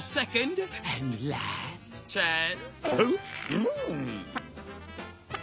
うん。